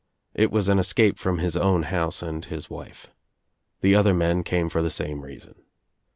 It was an escape from his own house and his wife. The other men came for the same reason.